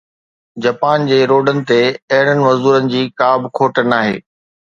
Japan جي روڊن تي اهڙن مزدورن جي ڪا به کوٽ ناهي